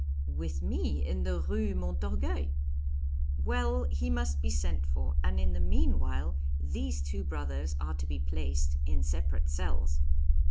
'With me in the Rue Montorgueil.' 'Well, he must be sent for; and in the meanwhile, these two brothers are to be placed in separate cells.'